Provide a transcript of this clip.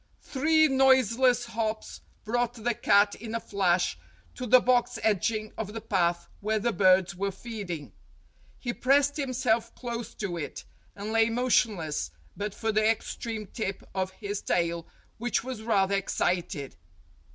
Three noiseless hops brought the cat in a flash to the box edging of the path where the birds were feeding. He pressed himself close to it, and lay motionless but for the extreme tip of his tail, which was rather excited.